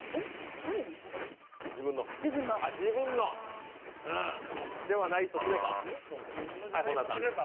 自分のではないとすれば？